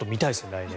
来年。